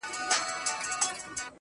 و ماته به د دې وطن د کاڼو ضرورت سي.